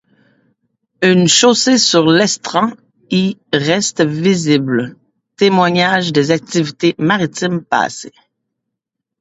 Une chaussée sur l'estran y reste visible, témoignage des activités maritimes passées.